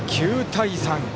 ９対３。